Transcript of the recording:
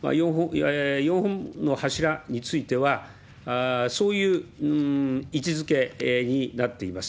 ４本の柱については、そういう位置づけになっています。